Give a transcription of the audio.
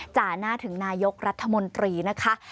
จ่าหน้าถึงนายกรัฐมนตรีนะคะ